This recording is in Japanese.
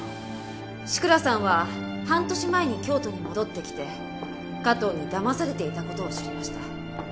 志倉さんは半年前に京都に戻ってきて加藤にだまされていた事を知りました。